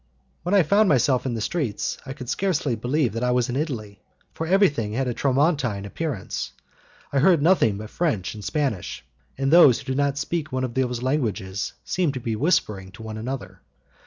When I found myself in the streets, I scarcely could believe that I was in Italy, for everything had a tramontane appearance. I heard nothing but French and Spanish, and those who did not speak one of those languages seemed to be whispering to one another.